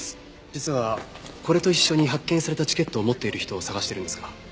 実はこれと一緒に発券されたチケットを持っている人を捜してるんですが。